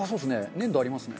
粘度ありますね。